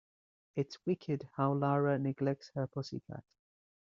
It's wicked how Lara neglects her pussy cat.